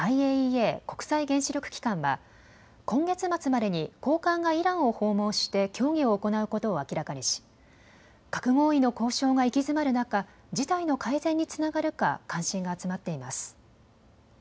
ＩＡＥＡ・国際原子力機関は今月末までに高官がイランを訪問して協議を行うことを明らかにし、核合意の交渉が行き詰まる中、事態の改善につながるか関心が集まっています。